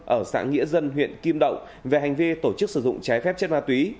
ở xã nghĩa dân huyện kim động về hành vi tổ chức sử dụng trái phép chất ma túy